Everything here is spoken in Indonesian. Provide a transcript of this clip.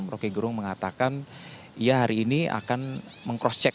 roky gerung mengatakan ia hari ini akan meng crosscheck